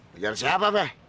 kejar siapa be